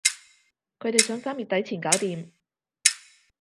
佢哋想三月底前搞掂